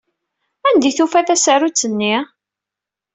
Anda ay d-tufa tasarut-nni?